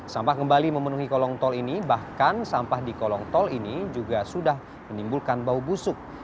sampah kembali memenuhi kolong tol ini bahkan sampah di kolong tol ini juga sudah menimbulkan bau busuk